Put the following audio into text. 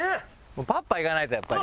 もうパッパいかないとやっぱり。